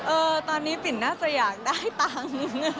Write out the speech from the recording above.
เออตอนนี้ปิดหน้าสยางได้ตังค์